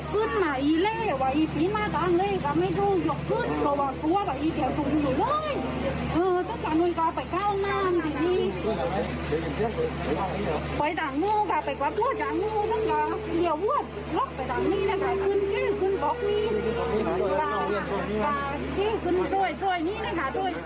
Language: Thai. คุณกลาคุณกี้คุณจ้วยจ้วยนี้นะคะจ้วย